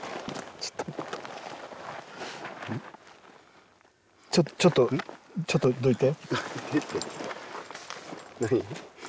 ちょっとちょっとちょっとどいて。